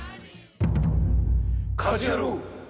『家事ヤロウ！！！』。